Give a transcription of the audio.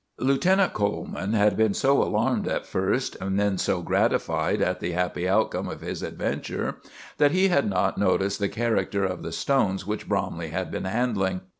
Lieutenant Coleman had been so alarmed at first, and then so gratified at the happy outcome of his adventure, that he had not noticed the character of the stones which Bromley had been handling.